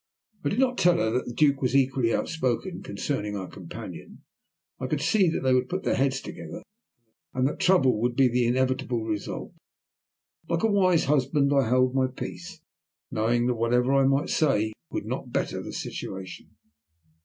I did not tell her that the Duke was equally outspoken concerning our companion. I could see that they would put their heads together, and that trouble would be the inevitable result. Like a wise husband I held my peace, knowing that whatever I might say would not better the situation.